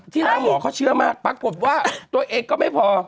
หน้าหมอเขาเชื่อมากปรากฏว่าตัวเองก็ไม่พอ